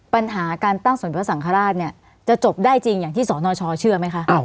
ปัญหาการตั้งสนพระสังฆราชเนี่ยจะจบได้จริงอย่างที่สนชเชื่อไหมคะ